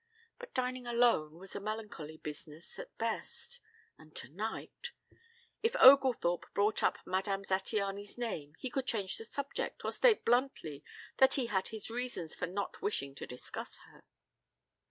But dining alone was a melancholy business at best and tonight! If Oglethorpe brought up Madame Zattiany's name he could change the subject or state bluntly that he had his reasons for not wishing to discuss her.